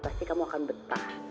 pasti kamu akan betah